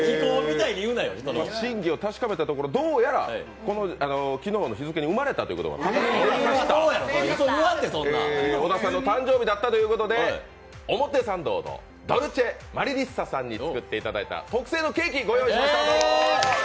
真偽を確かめたところ、どうやら昨日の日付に生まれたということで小田さんの誕生日だったということで、表参道のドルチェマリリッサさんに作っていただいた特製のケーキをご用意いたしました。